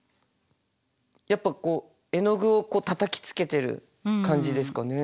やっぱこう絵の具をたたきつけてる感じですかね。